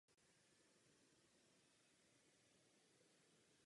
Severní část země okolo Lille byla zahrnuta pod vojenskou správu Belgie a severní Francie.